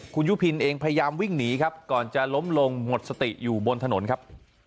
คุณยุพินเองพยายามวิ่งหนีครับก่อนจะล้มลงหมดสติอยู่บนถนนครับ